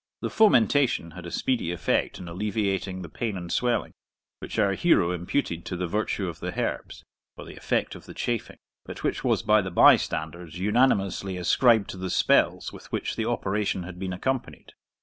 The fomentation had a speedy effect in alleviating the pain and swelling, which our hero imputed to the virtue of the herbs or the effect of the chafing, but which was by the bystanders unanimously ascribed to the spells with which the operation had been accompanied.